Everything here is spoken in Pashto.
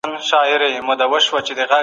د وچو وریښتانو لپاره یوه وریځ کافي ده.